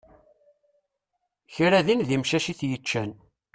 Kra din d imcac i t-yeččan.